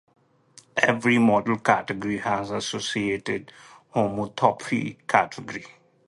Every model category has an associated homotopy category.